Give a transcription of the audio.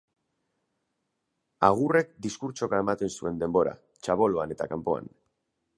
Agurrek diskurtsoka ematen zuen denbora, txaboloan eta kanpoan.